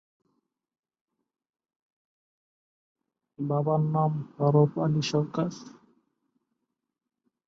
বাবার নাম হরফ আলী সরকার।